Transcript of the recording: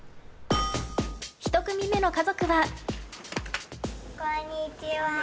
１組目の家族は。